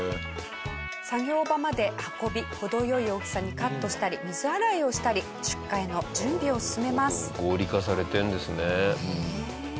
作業場まで運び程良い大きさにカットしたり水洗いをしたり出荷への準備を進めます。